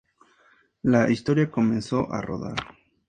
La historia comenzó a rodar.